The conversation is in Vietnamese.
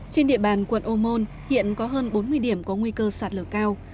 trên địa bàn quận ô môn hiện có hơn bốn mươi điểm có nguy cơ sạt lở cao